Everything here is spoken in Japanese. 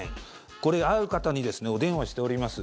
これ、合う方にお電話しております。